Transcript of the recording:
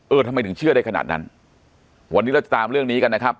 ทำไมถึงเชื่อได้ขนาดนั้นวันนี้เราจะตามเรื่องนี้กันนะครับ